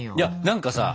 何かさ